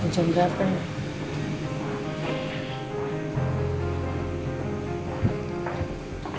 haji nggak pernah